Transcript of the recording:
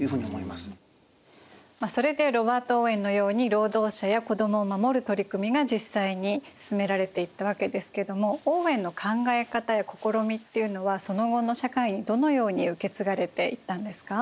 まあそれでロバート・オーウェンのように労働者や子どもを守る取り組みが実際に進められていったわけですけどもオーウェンの考え方や試みっていうのはその後の社会にどのように受け継がれていったんですか？